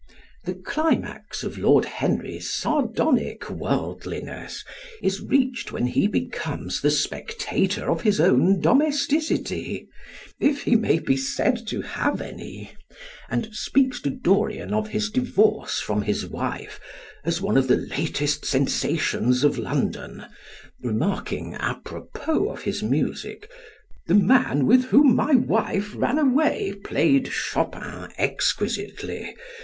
The climax of Lord Henry's sardonic worldliness is reached when he becomes the spectator of his own domesticity, if he may be said to have any, and speaks to Dorian of his divorce from his wife as one of the latest sensations of London, remarking apropos of his music, "The man with whom my wife ran away played Chopin exquisitely.